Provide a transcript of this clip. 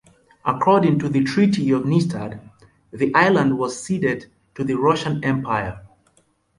According to the Treaty of Nystad, the island was ceded to the Russian Empire.